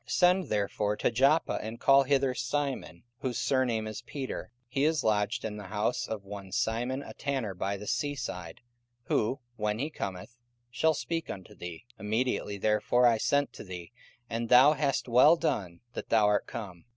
44:010:032 Send therefore to Joppa, and call hither Simon, whose surname is Peter; he is lodged in the house of one Simon a tanner by the sea side: who, when he cometh, shall speak unto thee. 44:010:033 Immediately therefore I sent to thee; and thou hast well done that thou art come.